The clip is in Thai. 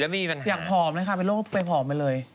เรากู้ชมอยากผอมเลยไปผอมเลย